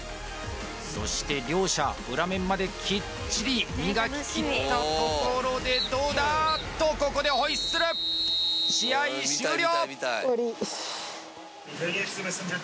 そして両者裏面まできっちり磨ききったところでどうだ？とここでホイッスル試合終了！